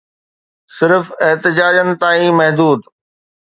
صرف احتجاجن تائين محدود